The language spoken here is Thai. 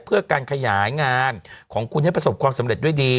เพื่อการขยายงานของคุณให้ประสบความสำเร็จด้วยดี